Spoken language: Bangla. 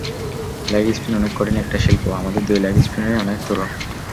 লেগ স্পিন অনেক কঠিন একটা শিল্প, আমাদের দুই লেগ স্পিনারই অনেক তরুণ।